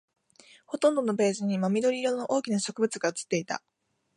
ほとんどのページに真緑色の大きな植物が写っていた